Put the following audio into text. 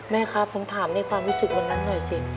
แม่ครับผมถามในความรู้สึกวันนั้นหน่อยสิ